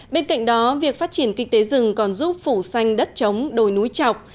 bên cạnh đó việc phát triển kinh tế rừng còn giúp phủ xanh đất trống đồi núi trọc